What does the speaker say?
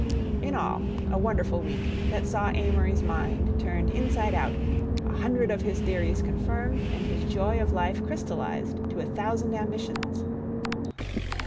... In all, a wonderful week, that saw Amory's mind turned inside out, a hundred of his theories confirmed, and his joy of life crystallized to a thousand ambitions.